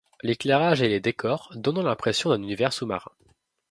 L'éclairage et les décors donnant l'impression d'un univers sous-marins.